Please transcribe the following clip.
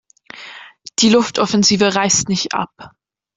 Die Luftoffensive reißt nicht ab.